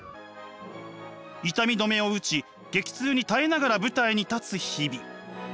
痛み止めを打ち激痛に耐えながら舞台に立つ日々。